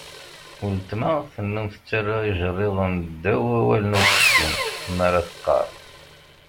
Uletma tennum tettarra ijerriḍen ddaw wawalen ur tessin mara teqqar.